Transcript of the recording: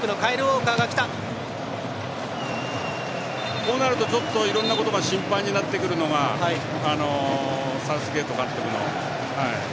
こうなるとちょっといろんなことが心配になってくるのがサウスゲート監督の。